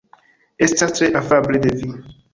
Estas tre afable de vi.